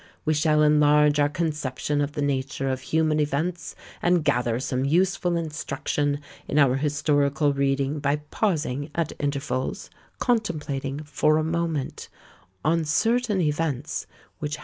We shall enlarge our conception of the nature of human events, and gather some useful instruction in our historical reading by pausing at intervals; contemplating, for a moment, on certain events which have not happened!